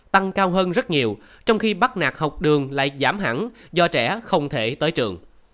tăng cao hơn rất nhiều trong khi bắt nạc học đường lại giảm hẳn do trẻ không thể tới trường